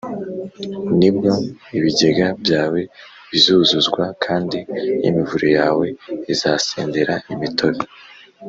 ni bwo ibigega byawe bizuzuzwa, kandi imivure yawe izasendera imitobe